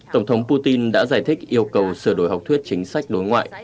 tổng thống putin đã giải thích yêu cầu sửa đổi học thuyết chính sách đối ngoại